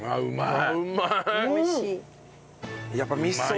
うまい。